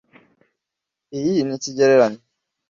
Iyi ni icyegeranyo?